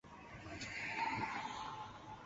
Nada hay, concreto o visible, hasta hoy.